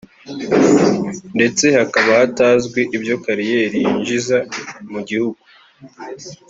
ndetse hakaba hatazwi ibyo kariyeri yinjiza mu gihugu